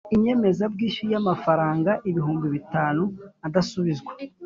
inyemezabwishyu y’amafaranga ibihumbi bitanu adasubizwa;